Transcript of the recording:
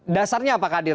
dasarnya pak qadir